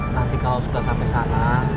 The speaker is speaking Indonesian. nanti kalau sudah sampai sana